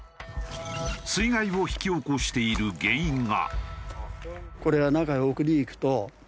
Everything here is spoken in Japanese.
水害を引き起こしている原因が。